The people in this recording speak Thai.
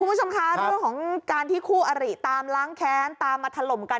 คุณผู้ชมคะเรื่องของการที่คู่อริตามล้างแค้นตามมาถล่มกัน